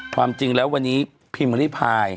ความจริงแล้ววันนี้พิมพ์ริพาย